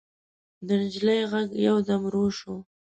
د نجلۍ غږ يودم ورو شو.